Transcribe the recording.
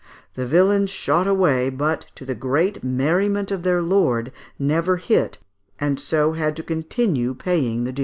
The vilains shot away, but, to the great merriment of their lord, never hit, and so had to continue paying the dues."